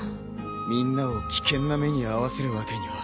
みんなを危険な目に遭わせるわけには。